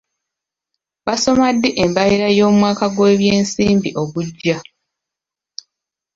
Basoma ddi embalirira y'omwaka gw'ebyensimbi ogujja?